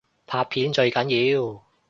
拍片最緊要